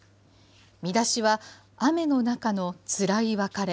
見出しは、雨の中のつらい別れ。